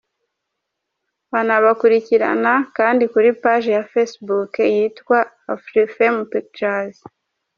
Wanabakurikirana kandi kuri Page ya Facebook yitwa Afrifame Pictures.